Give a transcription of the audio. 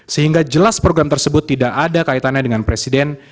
sehingga jelas program tersebut tidak ada kaitannya dengan presiden